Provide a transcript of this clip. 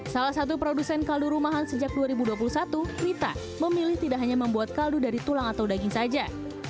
salah satu produsen kaldu rumahan sejak dua ribu dua puluh satu wita memilih tidak hanya membuat kaldu dari tulang atau daging saja